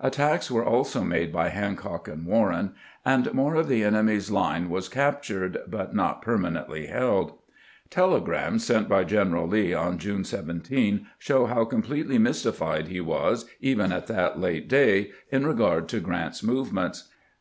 Attacks were also made by Hancock and Warren, and more of the enemy's line was captured, but not permanently held. Telegrams sent by General Lee on June 17 show how completely mystified he was, even at that late day, in regard to Grant's movements.